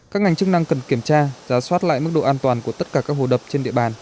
các ngành chức năng cần kiểm tra giá soát lại mức độ an toàn của tất cả các hồ đập trên địa bàn